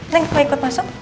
neng mau ikut masuk